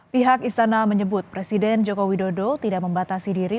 pihak istana menyebut presiden joko widodo tidak membatasi diri